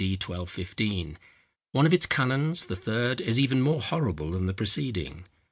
D. 1215. One of its canons, the Third, is even more horrible than the preceding.